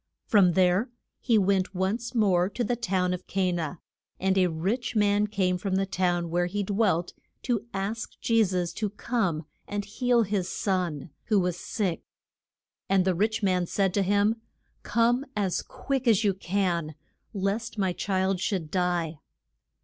From there he went once more to the town of Ca na. And a rich man came from the town where he dwelt to ask Je sus to come and heal his son, who was sick. And the rich man said to him, Come as quick as you can, lest my child should die.